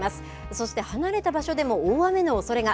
そして離れた場所でも大雨のおそれが。